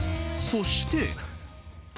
そして。